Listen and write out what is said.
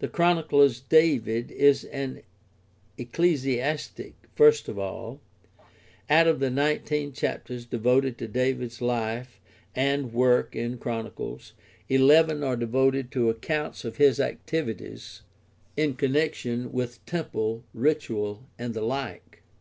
The Chronicler's David is an ecclesiastic first of all; out of the nineteen chapters devoted to David's life and work in Chronicles eleven are devoted to accounts of his activities in connection with temple, ritual, and the like.